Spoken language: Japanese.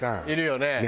いるよね。